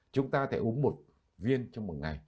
chúng ta có thể uống một viên trong một ngày